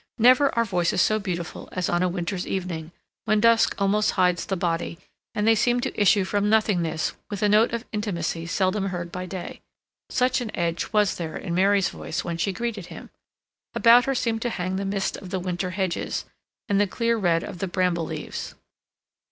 Never are voices so beautiful as on a winter's evening, when dusk almost hides the body, and they seem to issue from nothingness with a note of intimacy seldom heard by day. Such an edge was there in Mary's voice when she greeted him. About her seemed to hang the mist of the winter hedges, and the clear red of the bramble leaves.